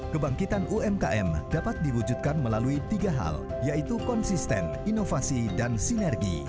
kebangkitan umkm dapat diwujudkan melalui tiga hal yaitu konsisten inovasi dan sinergi